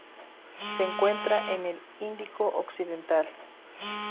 Se encuentra en el Índico occidental.